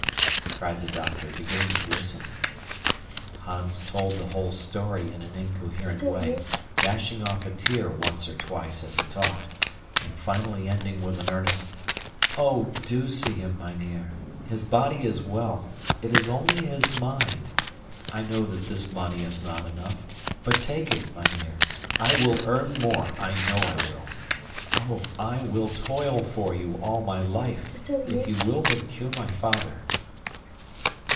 cried the doctor, beginning to listen. Hans told the whole story in an incoherent way, dashing off a tear once or twice as he talked, and finally ending with an earnest "Oh, do see him, mynheer. His body is well it is only his mind. I know that this money is not enough, but take it, mynheer. I will earn more, I know I will. Oh! I will toil for you all my life, if you will but cure my father!"